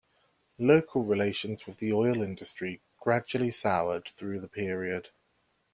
Local relations with the oil industry gradually soured through the period.